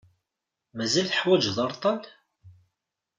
Mazal teḥwaǧeḍ areṭṭal?